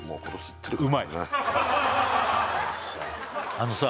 あのさ